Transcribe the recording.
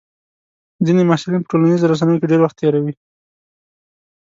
ځینې محصلین په ټولنیزو رسنیو کې ډېر وخت تېروي.